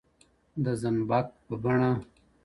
د زنبق په بڼه